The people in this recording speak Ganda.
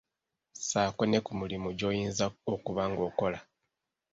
Ssaako ne ku mulimu gy'oyinza okuba ng'okola.